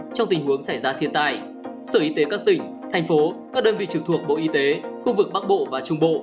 trong tình huống xảy ra thiên tai sở y tế các tỉnh thành phố các đơn vị trực thuộc bộ y tế khu vực bắc bộ và trung bộ